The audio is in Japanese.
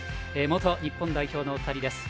元日本代表のお二人です。